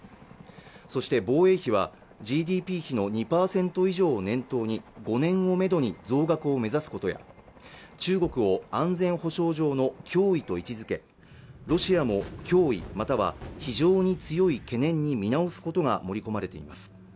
そして防衛費はＧＤＰの２％以上を念頭に５年をめどに増額を目指すことや中国を安全保障上の脅威と位置づけロシアも脅威または非常に強い懸念に見直すことが盛り込まれています